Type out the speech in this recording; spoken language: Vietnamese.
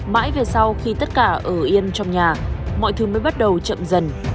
mãi về sau khi tất cả ở yên trong nhà mọi thứ mới bắt đầu chậm dần